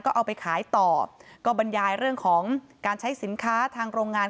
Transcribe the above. ก็เอาไปขายต่อก็บรรยายเรื่องของการใช้สินค้าทางโรงงาน